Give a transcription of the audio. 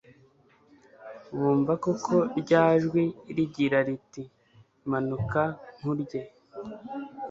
bumva koko ryajwi rigira riti manuka nkurye